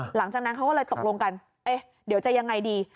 หลังจากนั้นเขาก็เลยตกลงกันเอ๊ะเดี๋ยวจะยังไงดี